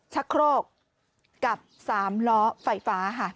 ชะโครกกับ๓ล้อไฟฟ้าค่ะ